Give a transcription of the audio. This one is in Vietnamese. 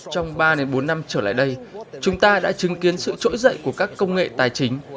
trong ba bốn năm trở lại đây chúng ta đã chứng kiến sự trỗi dậy của các công nghệ tài chính